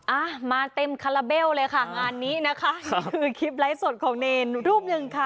อ่ะมาเต็มคาราเบลเลยค่ะงานนี้นะคะก็คือคลิปไลฟ์สดของเนรรูปหนึ่งค่ะ